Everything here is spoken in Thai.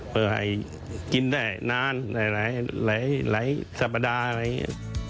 เพื่อให้กินได้นานหลายสัปดาห์อะไรอย่างนี้